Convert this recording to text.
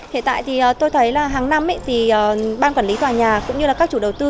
hiện tại thì tôi thấy là hàng năm thì ban quản lý tòa nhà cũng như là các chủ đầu tư